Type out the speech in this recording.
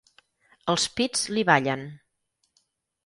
Els pits li ballen.